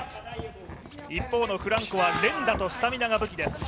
一方のフランコはスタミナが武器です。